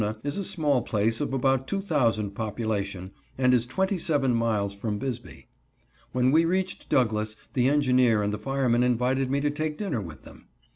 is a small place of about two thousand population, and is twenty seven miles from Bisbee. When we reached Douglas the engineer and the fireman invited me to take dinner with them.